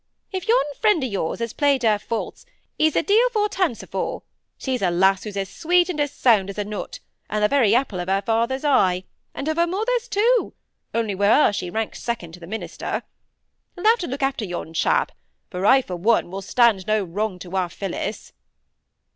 If yon friend o' yours has played her false, he's a deal for t' answer for; she's a lass who's as sweet and as sound as a nut, and the very apple of her father's eye, and of her mother's too' only wi' her she ranks second to th' minister. You'll have to look after yon chap, for I, for one, will stand no wrong to our Phillis."